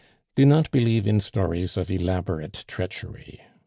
Do not believe in stories of elaborate treachery.